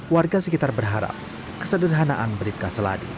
warga sekitar berharap kesederhanaan bribka seladi